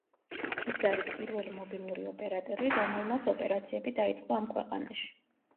ის არის პირველი მობილური ოპერატორი, რომელმაც ოპერაციები დაიწყო ამ ქვეყანაში.